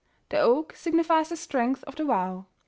The oak signifies the strength of the vow.